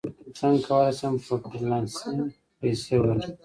څنګه کولی شم په فریلانسینګ پیسې وګټم